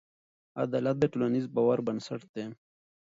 عدالت د ټولنیز باور بنسټ دی.